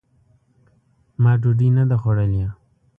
ما ډوډۍ نه ده خوړلې !